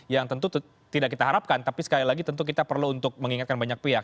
yang tentu tidak kita harapkan tapi sekali lagi tentu kita perlu untuk mengingatkan banyak pihak